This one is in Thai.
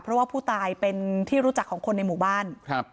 เพราะว่าผู้ตายเป็นที่รู้จักของคนในหมู่บ้านครับ